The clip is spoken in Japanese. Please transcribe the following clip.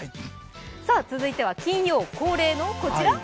続いては金曜恒例のこちら。